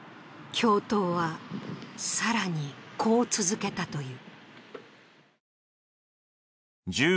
教頭は更にこう続けたという。